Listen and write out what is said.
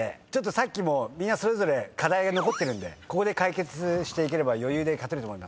さっきもみんなそれぞれ課題が残ってるんで解決すれば余裕で勝てると思います。